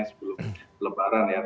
sebelum lebaran ya